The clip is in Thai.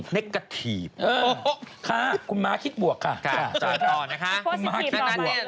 เล็กกระถีบค่ะคุณม้าคิดบวกค่ะคุณม้าคิดบวก